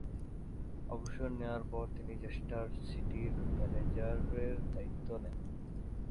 অবসর নেয়ার পর তিনি চেস্টার সিটির ম্যানেজারের দায়িত্ব নেন।